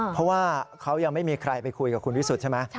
เพราะว่าเขายังไม่มีใครไปคุยกับคุณวิสุทธิ์ใช่ไหม